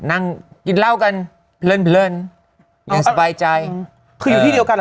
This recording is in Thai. นั่งกินเหล้ากันเพลินเพลินอย่างสบายใจคืออยู่ที่เดียวกันเหรอ